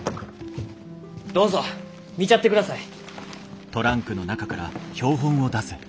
どうぞ見ちゃってください。